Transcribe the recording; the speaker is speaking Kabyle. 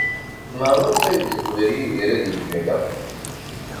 Maɣef ay yeqbel Yidir ad yeg aya?